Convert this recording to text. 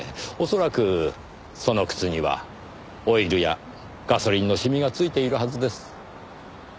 恐らくその靴にはオイルやガソリンの染みがついているはずです。